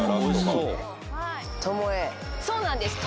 そうなんです